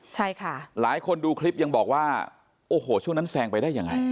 ใช่ค่ะหลายคนดูคลิปยังบอกว่าโอ้โหช่วงนั้นแซงไปได้ยังไง